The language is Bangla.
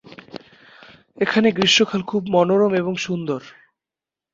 এখানে গ্রীষ্মকাল খুব মনোরম এবং সুন্দর।